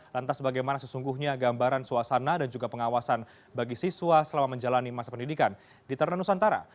lantas bagaimana sesungguhnya gambaran suasana dan juga pengawasan bagi siswa selama menjalani masa pendidikan di ternanusantara